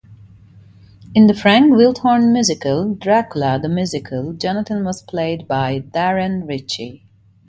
In the Frank Wildhorn musical, "Dracula, the Musical", Jonathan was played by Darren Ritchie.